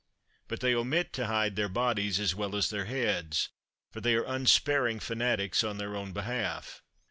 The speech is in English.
But they omit to hide their bodies as well as their heads, for they are unsparing fanatics on their own behalf.